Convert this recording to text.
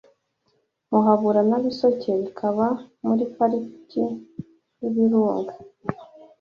Muhabura na Bisoke bikaba muri Pariki y’Ibirunga